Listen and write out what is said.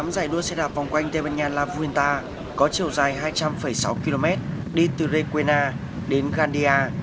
giải đua xe đạp vòng quanh tây ban nha la vuelta có chiều dài hai trăm linh sáu km đi từ requena đến gandia